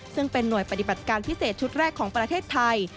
ซึ่งเป็นหน่วยปฏิบัติการพิเศษชุดแรกของประเทศไทย